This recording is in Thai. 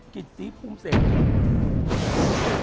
กลิ้นสีภูมิเสก